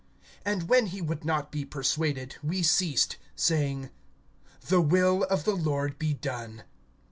(14)And when he would not be persuaded, we ceased, saying: The will of the Lord be done.